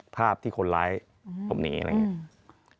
ภาพที่คนร้ายหลบหนีอะไรอย่างนี้